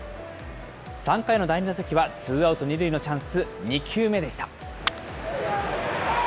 ３回の第２打席は、ツーアウト２塁のチャンス、２球目でした。